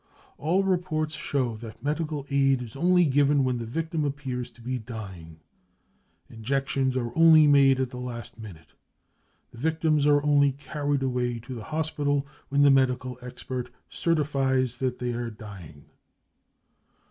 All reports show that medical aid is only given when the victim appears to be dying. Injections are only made at the last minute. The victims are only carried away to the hospital when the medical expert certifies that they are dying.